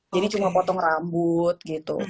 jadi cuma potong rambut gitu